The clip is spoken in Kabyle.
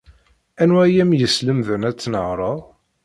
Anwa ay am-yeslemden ad tnehṛed?